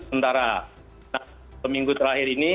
sementara nah minggu terakhir ini